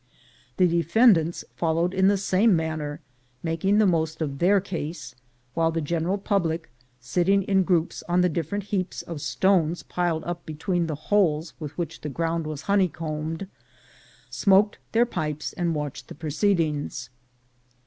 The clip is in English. The defend ants followed in the same manner, making the most of their case; while the general public, sitting in groups on the different heaps of stones piled up between the holes with which the ground was honeycombed, smoked their pipes and watched the proceedings.